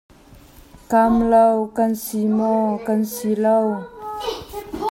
Kam lo na si maw? Ka si lo.